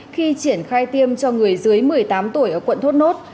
khi triển khai tiêm cho người dưới một mươi tám tuổi ở quận thốt nốt